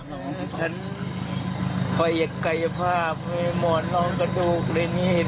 ผมให้ใครภาพมรน้องกระดูกอย่างนี้